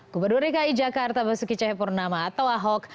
kupadureka ijakarta basuki cahepurnama atau ahok